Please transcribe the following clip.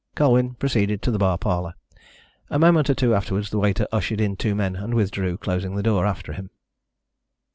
Colwyn proceeded to the bar parlour. A moment or two afterwards the waiter ushered in two men and withdrew, closing the door after him.